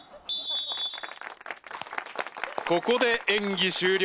ここで演技終了。